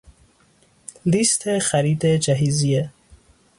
لیست خرید جهیزیه: